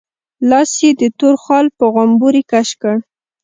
لاس يې د تور خال په غومبري کش کړ.